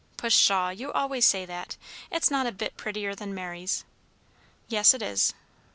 "Pshaw! you always say that. It's not a bit prettier than Mary's." "Yes, it is."